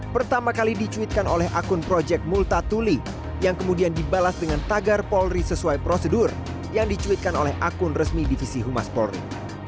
pertama kali dicuitkan oleh akun proyek multatuli yang kemudian dibalas dengan tagar polri sesuai prosedur yang dicuitkan oleh akun resmi divisi humas polri